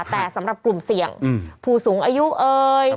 แต่สำหรับกลุ่มเสี่ยงผู้สูงอายุเอ่ย